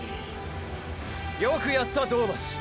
よくやった銅橋。